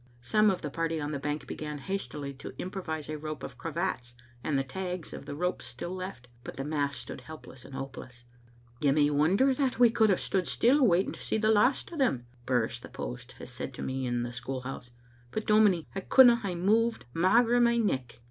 Some of the party on the bank began hastily to improvise a rope of cravats and the tags of the ropes still left, but the mass stood helpless and hopeless. "You may wonder that we could have stood still, waiting to see the last o* them," Birse, the post, has said to me in the school house, *' but, dominie, I couldna hae moved, magre my neck.